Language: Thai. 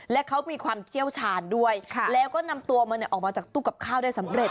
และเขามีความเชี่ยวชาญด้วยแล้วก็นำตัวมันออกมาจากตู้กับข้าวได้สำเร็จ